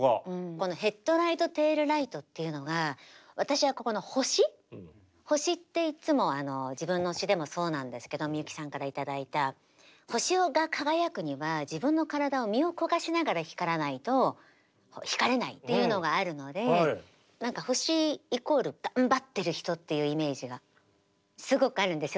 この「ヘッドライト・テールライト」っていうのが私はここの星星っていっつも自分の詩でもそうなんですけどみゆきさんから頂いた星が輝くには自分の体を身を焦がしながら光らないと光れないっていうのがあるので星イコール頑張ってる人っていうイメージがすごくあるんですよ